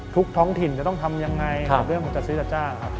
ท้องถิ่นจะต้องทำยังไงกับเรื่องของจัดซื้อจัดจ้างครับ